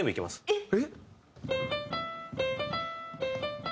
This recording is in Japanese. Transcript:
えっ！